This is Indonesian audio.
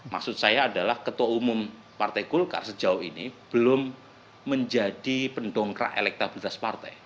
maksud saya adalah ketua umum partai golkar sejauh ini belum menjadi pendongkrak elektabilitas partai